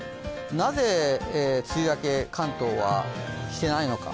なぜ梅雨明け、関東はしていないのか。